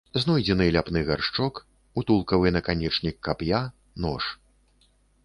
Знойдзены ляпны гаршчок, утулкавы наканечнік кап'я, нож.